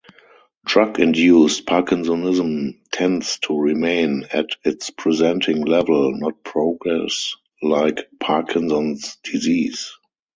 Drug-induced parkinsonism tends to remain at its presenting level, not progress like Parkinson's disease.